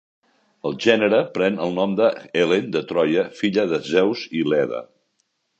El gènere pren el nom de Helen de Troia, filla de Zeus i Leda.